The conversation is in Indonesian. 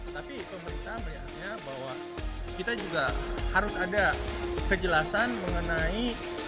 tapi pemerintah melihatnya bahwa kita juga harus ada kejelasan mengenai